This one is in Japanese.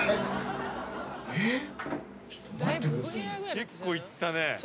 結構いったね。